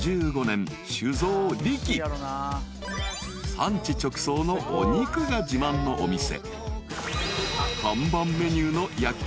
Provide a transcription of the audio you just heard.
［産地直送のお肉が自慢のお店］